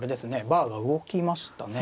バーが動きましたね。